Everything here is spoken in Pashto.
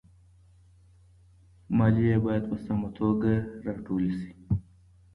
ماليې بايد په سمه توګه راټولي سي.